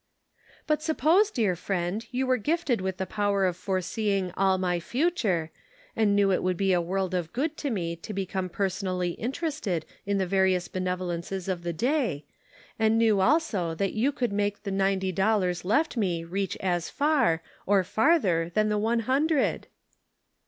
" But suppose, dear friend, you were gifted with the power of foreseeing all my future, and knew it would be a world of good to me to become personally interested in the various benevolences of the day, and knew also that you could make the ninety dollars left me reach as far, or farther, than the one hundred